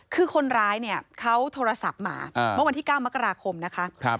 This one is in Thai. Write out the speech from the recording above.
คือคนร้ายเนี่ยเขาโทรศัพท์มาเมื่อวันที่๙มกราคมนะคะ